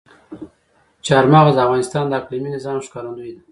چار مغز د افغانستان د اقلیمي نظام ښکارندوی ده.